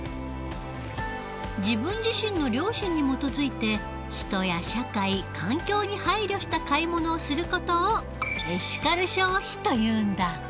自分自身の良心に基づいて人や社会環境に配慮した買い物をする事をエシカル消費というんだ。